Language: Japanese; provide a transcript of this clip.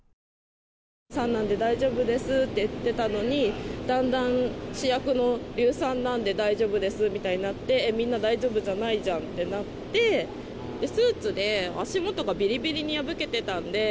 酸なので大丈夫ですって言ってたのに、だんだん試薬の硫酸なので大丈夫ですみたいになってみんな、大丈夫じゃないじゃんってなってスーツで足元がびりびりに破けてたので。